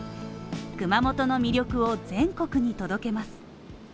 熊本の魅力を全国に届けます。